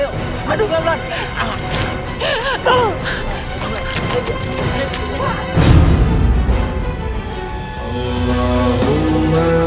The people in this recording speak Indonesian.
ya allah tolong suster